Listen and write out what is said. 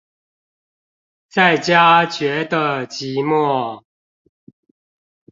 在家覺得寂寞